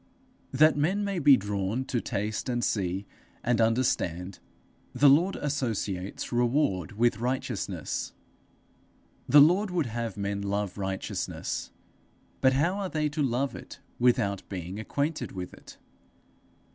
That men may be drawn to taste and see and understand, the Lord associates reward with righteousness. The Lord would have men love righteousness, but how are they to love it without being acquainted with it?